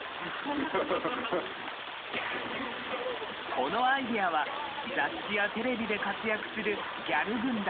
このアイデアは雑誌やテレビで活躍するギャル軍団